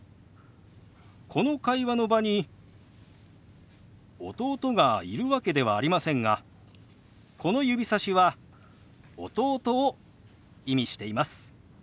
この会話の場に弟がいるわけではありませんがこの指さしは弟を意味しています。